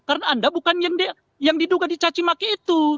karena anda bukan yang diduga dicaci maki itu